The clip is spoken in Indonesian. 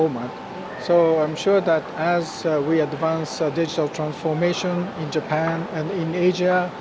jadi saya yakin ketika kita memperbaiki transformasi digital di jepang dan asia